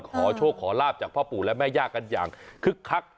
ขอโชคขอลาบจากพ่อปู่และแม่ย่ากันอย่างคึกคัก